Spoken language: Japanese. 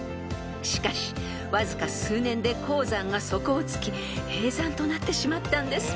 ［しかしわずか数年で鉱山が底を突き閉山となってしまったんです］